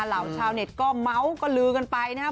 เหล่าชาวเน็ตก็เมาส์ก็ลือกันไปนะครับ